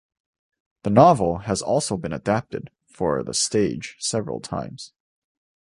The novel has also been adapted for the stage several times.